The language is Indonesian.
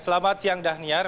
selamat siang dhaniar